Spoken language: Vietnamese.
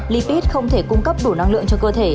libit không thể cung cấp đủ năng lượng cho cơ thể